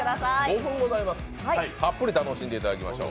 ５分ございます、たっぷり楽しんでいただきましょう。